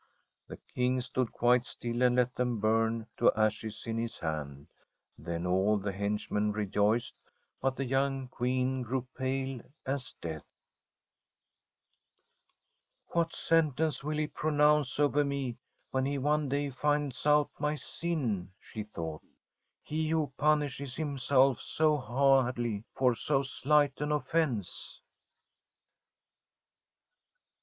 The King stood quite still and let them bum to ashes in his hand. Then all the hench ASTRID men rejoiced, but the young Queen grew pale as death. ' What sentence will he pronounce over me when he one day finds out my sin/ she thought, ' he who punishes himself so hardly for so slight an offence ?